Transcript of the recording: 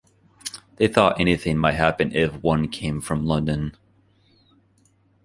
They thought anything might happen if one came from London.